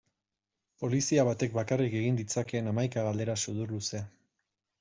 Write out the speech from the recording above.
Polizia batek bakarrik egin ditzakeen hamaika galdera sudurluze.